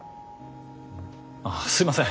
ああすいません